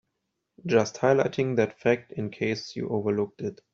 Just highlighting that fact in case you overlooked it.